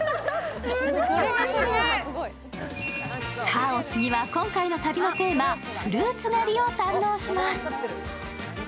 さあ、お次は今回の旅のテーマフルーツ狩りを堪能します。